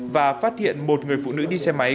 và phát hiện một người phụ nữ đi xe máy